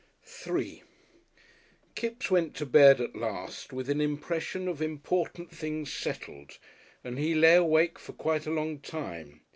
§3 Kipps went to bed at last with an impression of important things settled, and he lay awake for quite a long time.